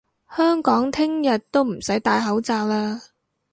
香港聽日都唔使戴口罩嘞！